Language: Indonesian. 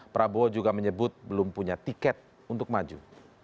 prabowo juga menyebut belum punya tiket untuk maju